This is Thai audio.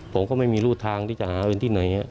ผมก็ไม่รู้ทางที่จะหาเงินที่ไหน